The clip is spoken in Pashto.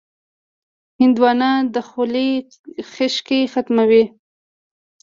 هندوانه د خولې خشکي ختموي.